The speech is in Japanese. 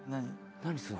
・・何するの？